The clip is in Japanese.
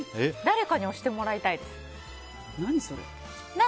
誰かに押してもらいたいです。